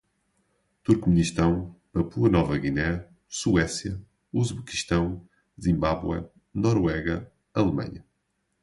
Turquemenistão, Papua-Nova Guiné, Suécia, Uzbequistão, Zimbabwe, Noruega, Alemanha